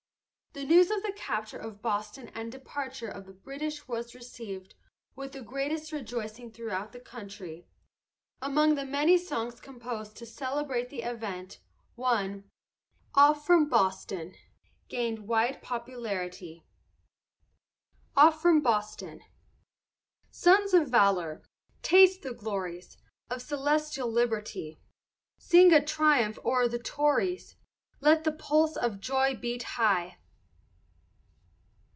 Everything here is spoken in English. The news of the capture of Boston and departure of the British was received with the greatest rejoicing throughout the country. Among the many songs composed to celebrate the event, one, "Off from Boston," gained wide popularity. OFF FROM BOSTON Sons of valor, taste the glories Of celestial liberty, Sing a triumph o'er the Tories, Let the pulse of joy beat high.